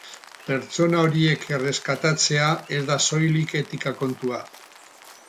Pertsona horiek erreskatatzea ez da soilik etika kontua.